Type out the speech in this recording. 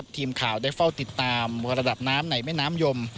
ทีมข่าวได้เฝ้าติดตามระดับน้ำในแม่น้ำยม